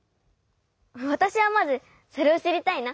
わたしはまずそれをしりたいな。